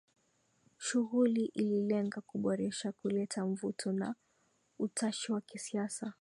Shughuli ililenga kuboresha kuleta mvuto na utashi wa kisiasa